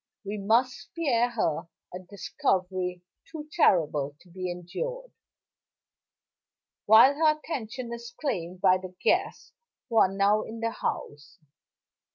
We must spare her a discovery too terrible to be endured, while her attention is claimed by the guests who are now in the house.